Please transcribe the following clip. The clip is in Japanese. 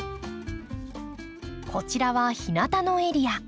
こちらは日なたのエリア。